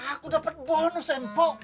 aku dapet bonus empo